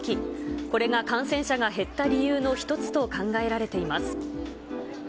これが感染者が減った理由の一つと考えられています。